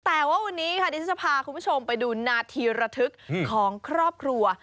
แต่ว่าวันนี้ค่ะดิฉันจะพาคุณผู้ชมไปดูนาทีระทึกของครอบครัว